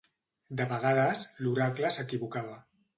De vegades, l'oracle s'equivocava.